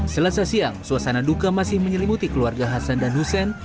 selasa siang suasana duka masih menyelimuti keluarga hasan dan hussein